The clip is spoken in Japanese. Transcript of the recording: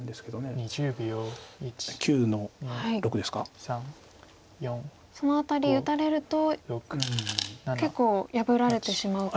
その辺り打たれると結構破られてしまうと。